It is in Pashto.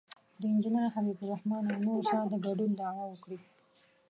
د انجینر حبیب الرحمن او نورو سره د ګډون دعوه وکړي.